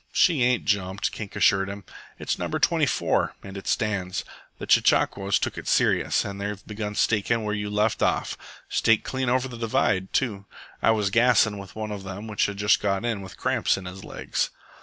"She ain't jumped," Kink assured him. "It's No. 24, and it stands. The chechaquos took it serious, and they begun stakin' where you left off. Staked clean over the divide, too. I was gassin' with one of them which has just got in with cramps in his legs."